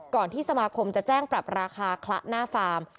ที่สมาคมจะแจ้งปรับราคาคละหน้าฟาร์ม